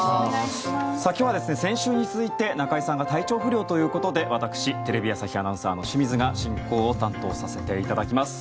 今日は、先週に続いて中居さんが体調不良ということで私、テレビ朝日アナウンサーの清水が進行を担当させていただきます。